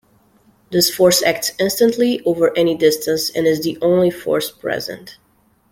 This force acts instantly, over any distance and is the only force present.